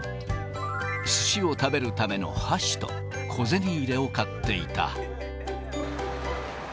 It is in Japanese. すしを食べるための箸と小銭入れを買っていた。